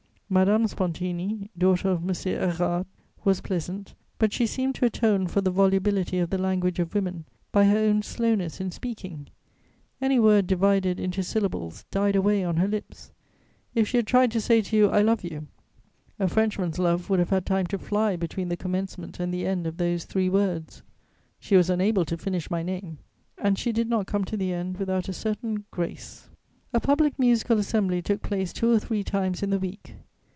Madame Spontini, daughter of M. Érard, was pleasant, but she seemed to atone for the volubility of the language of women by her own slowness in speaking: any word divided into syllables died away on her lips; if she had tried to say to you, "I love you," a Frenchman's love would have had time to fly between the commencement and the end of those three words. She was unable to finish my name, and she did not come to the end without a certain grace. A public musical assembly took place two or three times in the week.